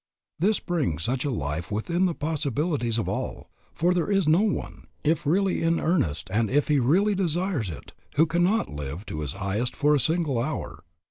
This brings such a life within the possibilities of all, for there is no one, if really in earnest and if he really desires it, who cannot live to his highest for a single hour.